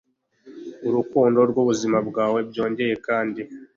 urukundo rwubuzima bwawe Byongeye kandi